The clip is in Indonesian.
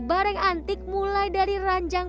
barang antik mulai dari ranjang